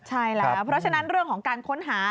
ใช่แล้วเพราะฉะนั้นเรื่องของการค้นหา